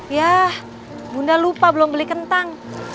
ya bunda lupa belum beli kentang